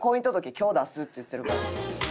今日出すって言ってるから。